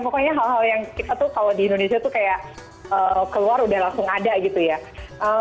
pokoknya hal hal yang kita tuh kalau di indonesia tuh kayak keluar udah langsung ada gitu ya